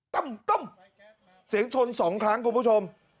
ตั้มเสียงชน๒ครั้งคุณผู้ชม